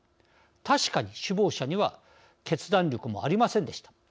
確かに首謀者には決断力もありませんでした。